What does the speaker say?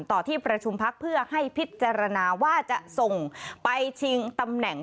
ที่ประชุมพักเพื่อให้พิจารณาว่าจะส่งไปชิงตำแหน่ง